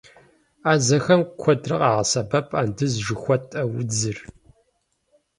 Ӏэзэхэм куэдрэ къагъэсэбэп андыз жыхуэтӏэ удзыр.